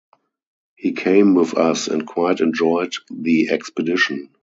He came with us and quite enjoyed the expedition.